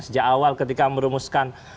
sejak awal ketika merumuskan